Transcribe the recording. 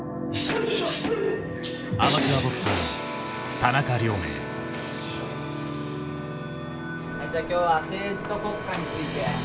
はいじゃあ今日は政治と国家について。